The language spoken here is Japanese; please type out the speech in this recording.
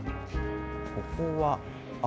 ここは。